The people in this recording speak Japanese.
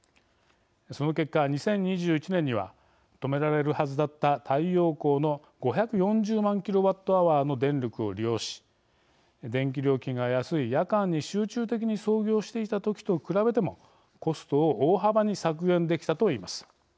その結果２０２１年には止められるはずだった太陽光の５４０万ｋＷｈの電力を利用し電気料金が安い夜間に集中的に操業していた時と比べてもコストを大幅に削減できたと言います。